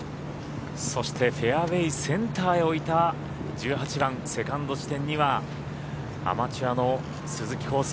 そしてフェアウエー、センターへ置いた１８番、セカンド地点にはアマチュアの鈴木晃祐。